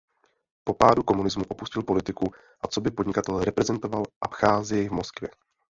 Po pádu komunismu opustil politiku a coby podnikatel reprezentoval Abcházii v Moskvě.